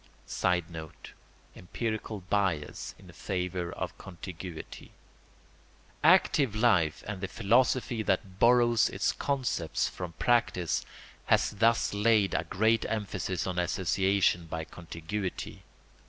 [Sidenote: Empirical bias in favour of contiguity.] Active life and the philosophy that borrows its concepts from practice has thus laid a great emphasis on association by contiguity.